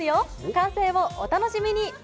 完成をお楽しみに！